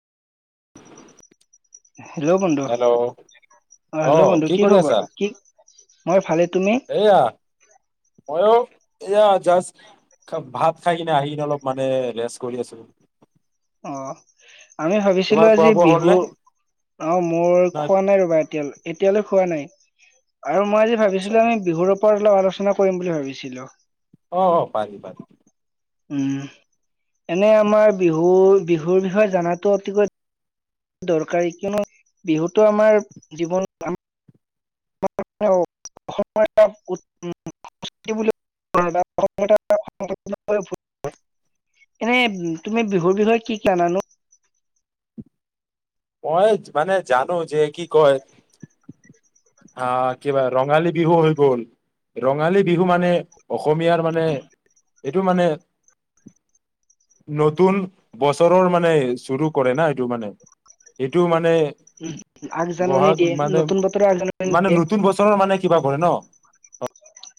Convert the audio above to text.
hello বন্ধু hello অ hello বন্ধু কি খবৰ কি মই ভালে তুমি মইো এয়া জাষ্ট ভাত খাই কিনে আহিনে অলপ মানে ৰেষ্ট কৰি আছো অ আমি ভাবিছিলো তোমাৰ খোৱা আজি বোৱা হ'ল বিহু নে অ মোৰ নহয় খোৱা নাই ৰ'বা এতিয়া এতিয়ালৈ খোৱা নাই আৰু মই আজি আচ্ছা ভাবিছিলো আমি বিহুৰত ওপৰত অলপ আলোচনা কৰিম বুলি ভাবিছিলো অ পাৰি পাৰি উম এনে আমাৰ বিহু বিহুৰ বিষয়ে জানাতো অতিকৈ দৰকাৰী কিয়নো বিহুতো আমাৰ জীৱনত আমাৰ ্ৃতি এনে তুমি বিহুৰ বিষয়ে কি কি জানো মই মানে জানো যে কি কয় আহ কিবা ৰঙালী বিহু হৈ গল ৰঙালী বিহু মানে অসমীয়াৰ মানে এইটো মানে নতুন বছৰৰ মানে চৰু কৰে না এইটো মানে এইটো মানে উ আঠজানানী বহাগ দিয়ে মানে নতুন বতৰ আঠজান মানে নতুন বছৰৰ মানে কিবা কৰে ন হয়